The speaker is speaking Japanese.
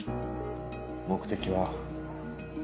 目的は。